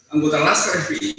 anggota laskar fpi